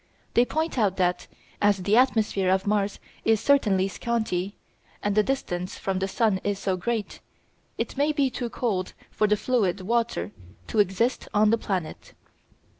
They point out that, as the atmosphere of Mars is certainly scanty, and the distance from the sun is so great, it may be too cold for the fluid water to exist on the planet.